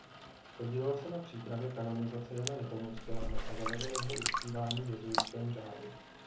Podílel se na přípravě kanonizace Jana Nepomuckého a zavedl jeho uctívání v jezuitském řádu.